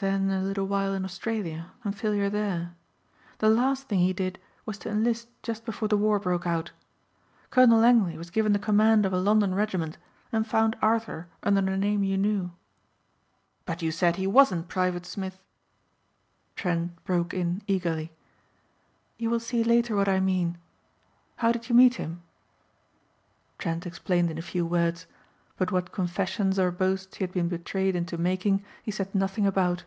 Then a little while in Australia and failure there. The last thing he did was to enlist just before the war broke out. Colonel Langley was given the command of a London regiment and found Arthur under the name you knew." "But you said he wasn't Private Smith," Trent broke in eagerly. "You will see later what I mean. How did you meet him?" Trent explained in a few words. But what confessions or boasts he had been betrayed into making he said nothing about.